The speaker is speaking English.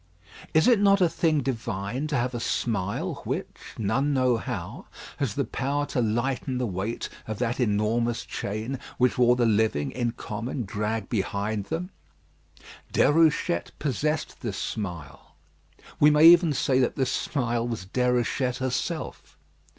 Is it not a thing divine to have a smile which, none know how, has the power to lighten the weight of that enormous chain which all the living, in common, drag behind them? Déruchette possessed this smile: we may even say that this smile was Déruchette herself.